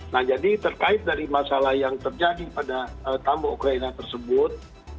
nah jadi terkait dari masalah yang terjadi pada tambok ukraina tersebut